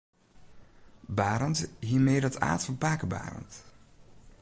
Barend hie mear it aard fan pake Barend.